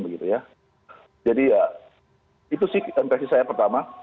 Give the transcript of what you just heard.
jadi ya itu sih kontrasi saya pertama